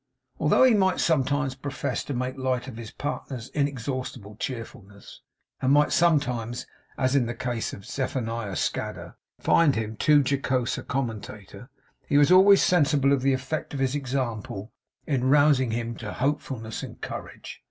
Although he might sometimes profess to make light of his partner's inexhaustible cheerfulness, and might sometimes, as in the case of Zephaniah Scadder, find him too jocose a commentator, he was always sensible of the effect of his example in rousing him to hopefulness and courage.